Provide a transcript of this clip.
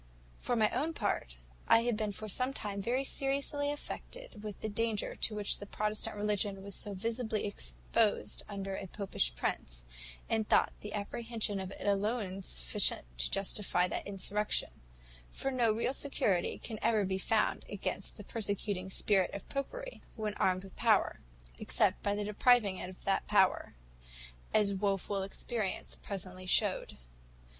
[*] For my own part, I had been for some time very seriously affected with the danger to which the Protestant religion was so visibly exposed under a Popish prince, and thought the apprehension of it alone sufficient to justify that insurrection; for no real security can ever be found against the persecuting spirit of Popery, when armed with power, except the depriving it of that power, as woeful experience presently showed.